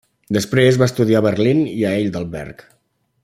Després va estudiar a Berlín i Heidelberg.